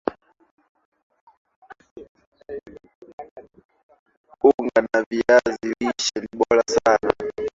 unga wa viazi lishe ni bora sana